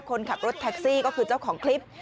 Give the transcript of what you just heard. คนขับรถแท็กซี่ก็คือเจ้าของคลิป